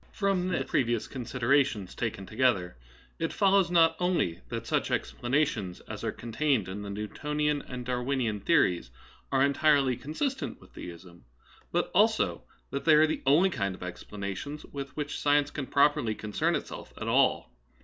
From this and the pre vious considerations, taken together, it follows not only that such explanations as are contained in the Newtonian and Darwinian theories are en tirely consistent with theism, but also that they are the only kind of explanations with which sci ence can properly concern itself at all.